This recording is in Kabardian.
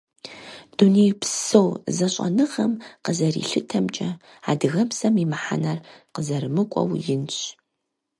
Дунейпсо бзэщӀэныгъэм къызэрилъытэмкӀэ, адыгэбзэм и мыхьэнэр къызэрымыкӀуэу инщ.